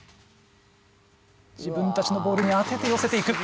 自分たちのボールにあててよせていく。